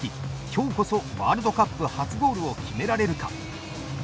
今日こそ、ワールドカップ初ゴールを決められるか。